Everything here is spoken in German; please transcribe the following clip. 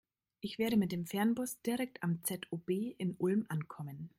Ich werde mit dem Fernbus direkt am ZOB in Ulm ankommen.